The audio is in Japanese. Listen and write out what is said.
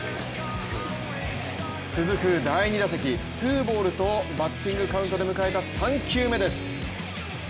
続く第２打席、ツーボールとバッティングカウントで迎えた３球目です。